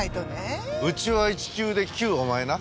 うちは１９で９お前な。